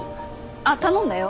あっ頼んだよ。